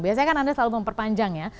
biasanya kan anda selalu memperpanjang ya